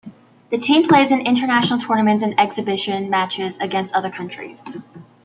The team plays in international tournaments and exhibition matches against other countries.